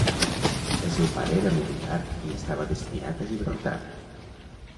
El seu pare era militar i estava destinat a Gibraltar.